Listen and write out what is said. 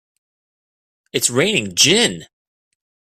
It's raining gin!